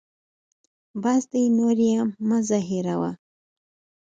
بس دی نور یې مه زهیروه.